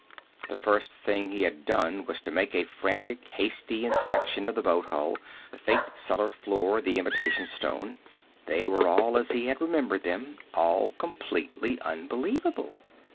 The first thing he had done was to make a frantic, hasty inspection of the boat hull, the faked cellar floor, the imitation stone. They were all as he had remembered them all completely unbelievable.